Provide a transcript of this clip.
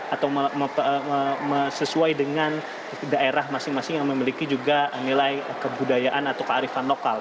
atau sesuai dengan daerah masing masing yang memiliki juga nilai kebudayaan atau kearifan lokal